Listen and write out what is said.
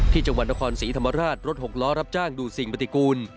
ที่จังหวัดนครศรีธรรมราชรถหกล้อรับจ้างดูสิ่งปฏิกูล